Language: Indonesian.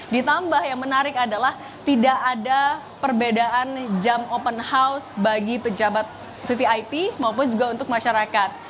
ditambah yang menarik adalah tidak ada perbedaan jam open house bagi pejabat vvip maupun juga untuk masyarakat